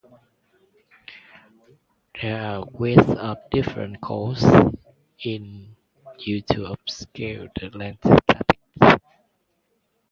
There are a wealth of different codes in use to obfuscate the planned tactic.